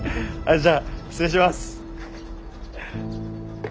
じゃあ失礼します。